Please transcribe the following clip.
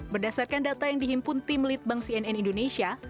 berdasarkan data yang dihimpun tim litbang cnn indonesia